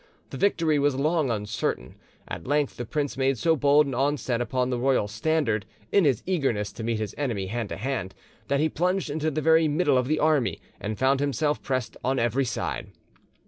The victory was long uncertain: at length the prince made so bold an onset upon the royal standard, in his eagerness to meet his enemy hand to hand, that he plunged into the very middle of the army, and found himself pressed on every side.